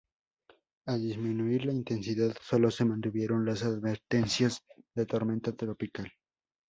Al disminuir la intensidad, sólo se mantuvieron las advertencias de tormenta tropical.